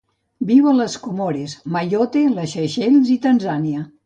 Viu a les Comores, Mayotte, les Seychelles i Tanzània.